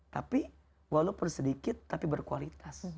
tapi walaupun sedikit tapi berkualitas